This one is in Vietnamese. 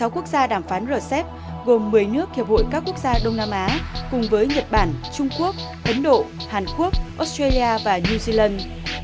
sáu quốc gia đàm phán rcep gồm một mươi nước hiệp hội các quốc gia đông nam á cùng với nhật bản trung quốc ấn độ hàn quốc australia và new zealand